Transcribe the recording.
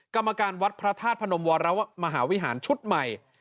กรรมการวัดพระธาตุพนมวรมหาวิหารชุดใหม่